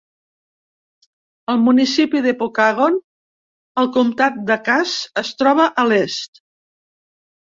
El municipi de Pokagon al Comtat de Cass es troba a l'est.